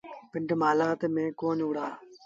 پنڊ مهلآت ميݩ ڪون وهُڙآ